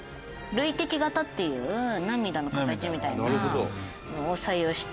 涙滴型っていう涙の形みたいなのを採用した。